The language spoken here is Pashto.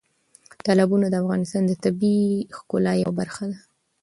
تالابونه د افغانستان د طبیعي ښکلا یوه برخه ده.